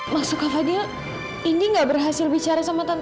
maksudnya fadil indi nggak berhasil bicara sama tante amber